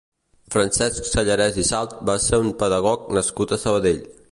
Francesc Sallarès i Salt va ser un pedagog nascut a Sabadell.